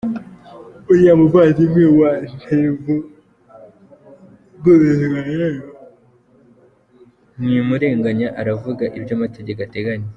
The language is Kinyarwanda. Uriya muvandimwe wa Ntivugutuzwa rero mwimurenganya, aravuga ibyo amategeko ateganya.